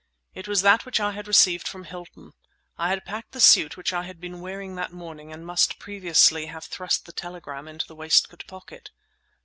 It was that which I had received from Hilton. I had packed the suit which I had been wearing that morning and must previously have thrust the telegram into the waistcoat pocket.